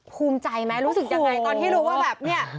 ภูมิใจไหมรู้สึกยังไงตอนที่รู้ว่าแบบเนี่ย